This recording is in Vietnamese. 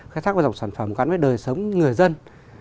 khai thác và dòng sản phẩm gắn với đời sống người dân